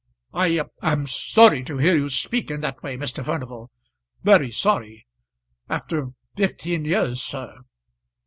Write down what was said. "I am sorry to hear you speak in that way, Mr. Furnival, very sorry after fifteen years, sir